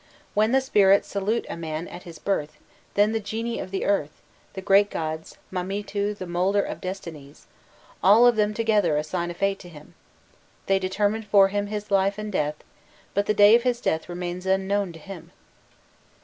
When the spirits salute a man at his birth, then the genii of the earth, the great gods, Mamitu the moulder of destinies, all of them together assign a fate to him, they determine for him his life and death; but the day of his death remains unknown to him."